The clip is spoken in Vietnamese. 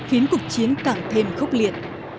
khiến cuộc chiến càng thêm khốc liệt